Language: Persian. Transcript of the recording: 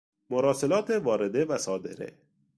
مراسلات وارده وصادره